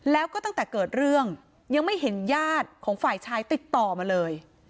แล้วก็ตั้งแต่เกิดเรื่องยังไม่เห็นญาติของฝ่ายชายติดต่อมาเลย